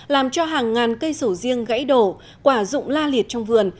làm cho hàng ngàn cây sầu riêng gãy đổ quả rụng la liệt trong vườn